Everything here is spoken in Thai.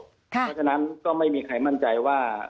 เพราะฉะนั้นก็ไม่มีใครมั่นใจว่า